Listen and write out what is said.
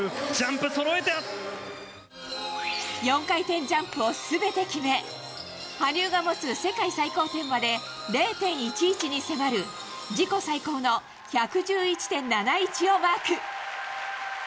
４回転ジャンプを全て決め羽生が持つ世界最高点まで０．１１に迫る自己最高の１１１．７１をマーク。